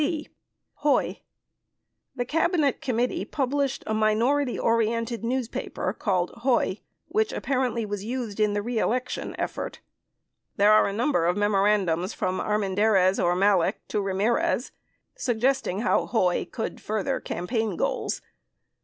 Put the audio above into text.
29 c. Hoy The Cabinet Committee published a minority oriented newspaper called Hoy, which apparently was used in the reelection effort. 30 There are a number of memorandums from Armendariz or Malek to Ramirez suggesting how Hoy could further campaign goals.